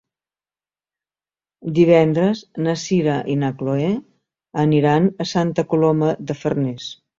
Divendres na Sira i na Chloé aniran a Santa Coloma de Farners.